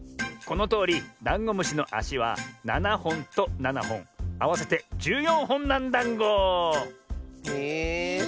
このとおりダンゴムシのあしは７ほんと７ほんあわせて１４ほんなんだんご。え。